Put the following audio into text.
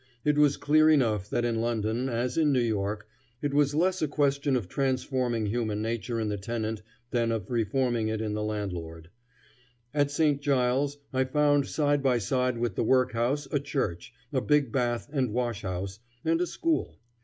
It was clear enough that in London, as in New York, it was less a question of transforming human nature in the tenant than of reforming it in the landlord; At St. Giles I found side by side with the work house a church, a big bath and wash house, and a school.